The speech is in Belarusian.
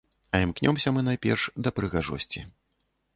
А імкнёмся мы, найперш, да прыгажосці.